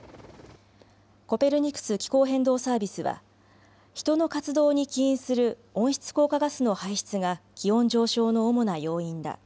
コペルニクス気候変動サービスは人の活動に起因する温室効果ガスの排出が気温上昇の主な要因だ。